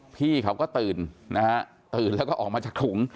พี่เขาก็ตื่นนะฮะตื่นแล้วก็ออกมาจากถุง